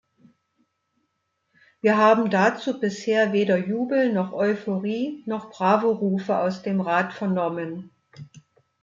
Wir haben dazu bisher weder Jubel noch Euphorie noch Bravo-Rufe aus dem Rat vernommen.